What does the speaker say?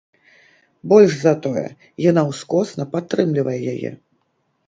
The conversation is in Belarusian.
Больш за тое, яна ускосна падтрымлівае яе.